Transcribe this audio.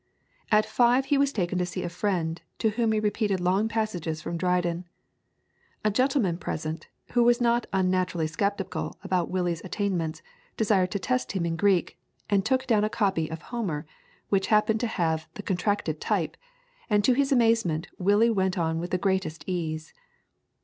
At five he was taken to see a friend, to whom he repeated long passages from Dryden. A gentleman present, who was not unnaturally sceptical about Willie's attainments, desired to test him in Greek, and took down a copy of Homer which happened to have the contracted type, and to his amazement Willie went on with the greatest ease.